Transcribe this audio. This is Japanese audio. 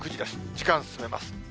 時間進めます。